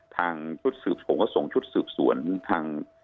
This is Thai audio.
ทางชุดสืบผมก็ส่งชุดสืบสวนทาง